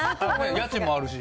家賃もあるし。